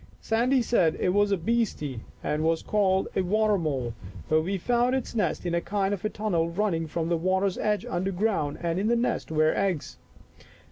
Sandy said it was a beastie and was called a water mole, but we found its nest in a kind of tunnel running from the water's edge under ground, and in the nest were eggs."